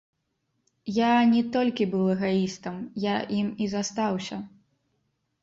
Я не толькі быў эгаістам, я ім і застаўся.